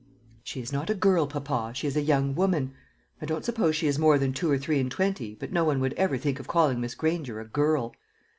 "She is not a girl, papa, she is a young woman. I don't suppose she is more than two or three and twenty, but no one would ever think of calling Miss Granger a girl."